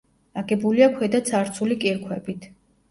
აგებულია ქვედა ცარცული კირქვებით.